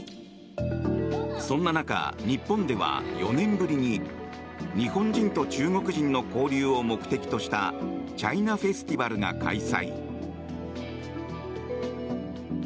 そんな中、日本では４年ぶりに日本人と中国人の交流を目的としたチャイナフェスティバルが開催。